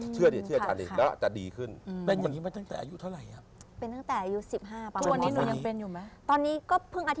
เชื่อเดียวแต่นานก็จะดีขึ้น